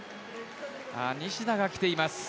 西田が来ています。